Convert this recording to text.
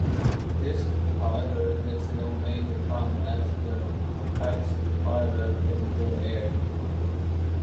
This, however, is no major problem as the pipes require relatively little air.